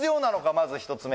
まず１つ目